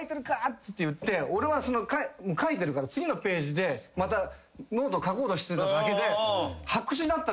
っつって言って俺は書いてるから次のページでまたノートを書こうとしてただけで白紙だったの。